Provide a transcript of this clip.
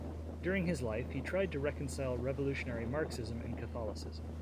During his life, he tried to reconcile revolutionary Marxism and Catholicism.